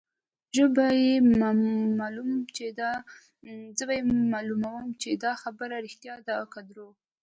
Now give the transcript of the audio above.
زه به يې معلوموم چې دا خبره ريښتیا ده که درواغ.